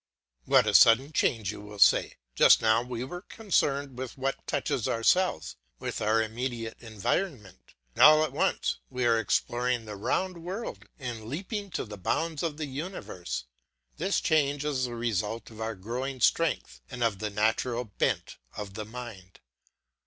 What a sudden change you will say. Just now we were concerned with what touches ourselves, with our immediate environment, and all at once we are exploring the round world and leaping to the bounds of the universe. This change is the result of our growing strength and of the natural bent of the mind.